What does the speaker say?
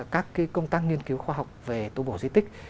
các công tác nghiên cứu khoa học về tu bổ di tích